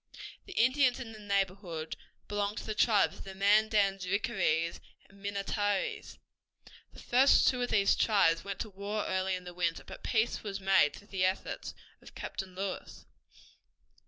The Indians in the neighborhood belonged to the tribes of the Mandans, Rickarees, and Minnetarees. The first two of these tribes went to war early in the winter, but peace was made through the efforts of Captain Lewis.